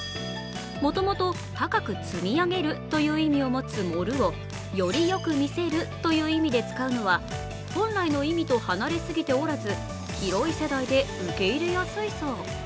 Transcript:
もともと高く積み上げるという意味を持つ盛るをより良く見せるという意味で使うのは本来の意味と離れすぎておらず、広い世代で受け入れやすいそう。